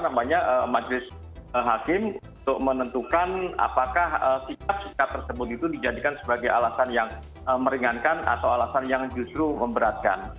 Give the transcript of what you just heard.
namanya majelis hakim untuk menentukan apakah sikap sikap tersebut itu dijadikan sebagai alasan yang meringankan atau alasan yang justru memberatkan